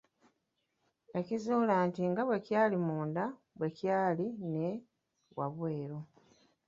Yakizuula nti nga bwe kyali munda bwe kyali ne wabweru.